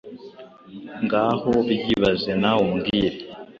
Ngaho byibaze nawe umbwire